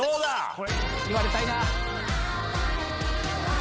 これ言われたいな。